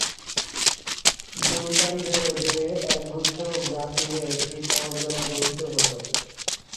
সুলতানদের অধীনে একগুচ্ছ গ্রাম মিলে একটি পরগনা গঠিত হতো।